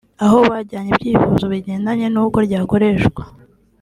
aho bajyanye ibyifuzo bigendanye n’uko ryakoreshwa